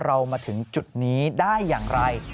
เรามาถึงจุดนี้ได้อย่างไร